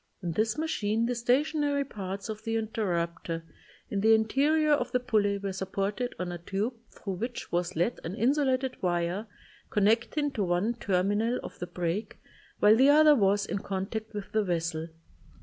In this machine the stationary parts of the interrupter in the interior of the pulley were supported on a tube thru which was led an insulated wire connect ing to one terminal of the break while the other was in contact with the vessel.